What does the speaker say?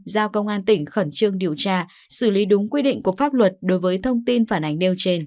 giao công an tỉnh khẩn trương điều tra xử lý đúng quy định của pháp luật đối với thông tin phản ánh nêu trên